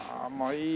いい